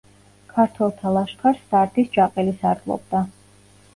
ქართველთა ლაშქარს სარგის ჯაყელი სარდლობდა.